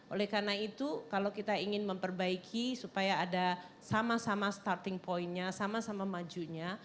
oleh karena itu kalau kita ingin memperbaiki supaya ada sama sama starting pointnya sama sama majunya